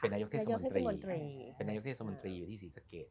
นายกเทศมนตรีเป็นนายกเทศมนตรีอยู่ที่ศรีสะเกด